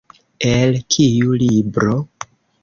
El kiu libro?